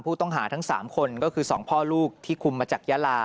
ผู้ต้องหาทั้ง๓คนก็คือ๒พ่อลูกที่คุมมาจากยาลา